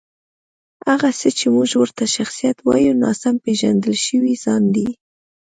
هغه څه چې موږ ورته شخصیت وایو، ناسم پېژندل شوی ځان دی.